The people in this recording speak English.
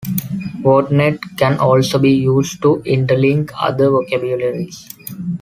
WordNet can also be used to inter-link other vocabularies.